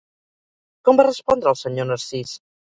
Com va respondre el senyor Narcís?